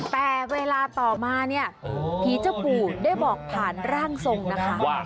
แต่เวลาต่อมาเนี่ยผีเจ้าปู่ได้บอกผ่านร่างทรงนะคะว่า